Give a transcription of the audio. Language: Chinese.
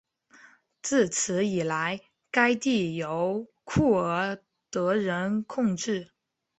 自此以来该地由库尔德人控制。